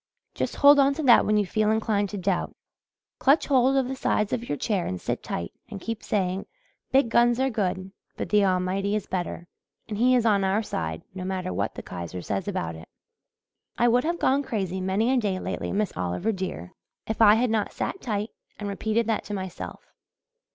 Just hold on to that when you feel inclined to doubt. Clutch hold of the sides of your chair and sit tight and keep saying, 'Big guns are good but the Almighty is better, and He is on our side, no matter what the Kaiser says about it.' I would have gone crazy many a day lately, Miss Oliver, dear, if I had not sat tight and repeated that to myself.